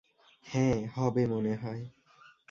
হ্যাঁ, হবে মনে হয়।